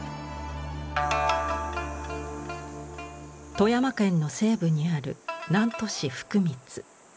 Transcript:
富山県の西部にある南砺市福光。